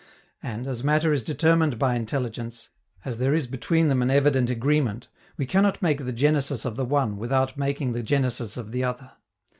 And, as matter is determined by intelligence, as there is between them an evident agreement, we cannot make the genesis of the one without making the genesis of the other.